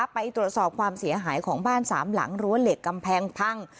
ไปตรวจสอบความเสียหายของบ้านสามหลังรั้วเหล็กกำแพงพัง